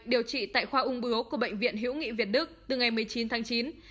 điều trị tại khoa ung bưu của bệnh viện hiễu nghị việt đức từ ngày một mươi chín tháng chín